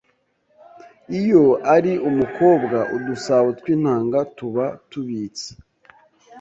iyo ari umukobwa udusabo tw’intanga tuba tubitse